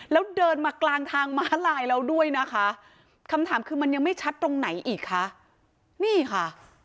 แล้วเดินมากลางทางม้าลายแล้วด้วยนะคะคำถามคือมันยังไม่ชัดตรงไหนอีกคะนี่ค่ะ